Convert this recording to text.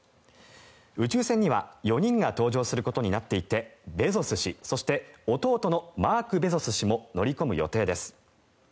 宇宙船には４人が搭乗することになっていてベゾス氏そして、弟のマーク・ベゾス氏も乗り込む予定です。